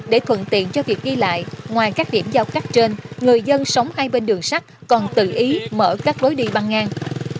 để thuận tiện cho việc đi lại ngoài các điểm giao cắt trên người dân sống hai bên đường sắt còn tự ý mở các lối đi băng ngang